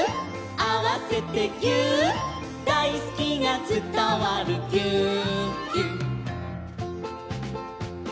「あわせてぎゅーっ」「だいすきがつたわるぎゅーっぎゅっ」